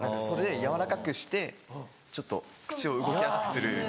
それで軟らかくしてちょっと口を動きやすくする。